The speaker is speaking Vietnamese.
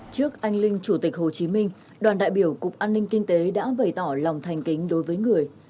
trước anh linh chủ tịch hồ chí minh đoàn đại biểu cục an ninh kinh tế đã bày tỏ lòng thành kính đối với người